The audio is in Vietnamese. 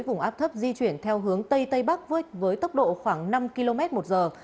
vùng áp thấp di chuyển theo hướng tây tây bắc với tốc độ khoảng năm km một giờ